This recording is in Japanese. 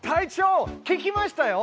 聞きましたよ。